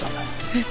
えっ！？